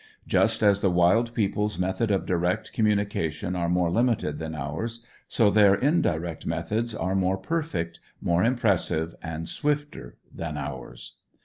Just as the wild people's methods of direct communication are more limited than ours, so their indirect methods are more perfect, more impressive, and swifter than ours.